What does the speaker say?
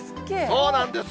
そうなんです。